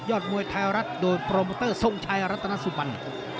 มวยไทยรัฐโดยโปรโมเตอร์ทรงชัยรัตนสุบัน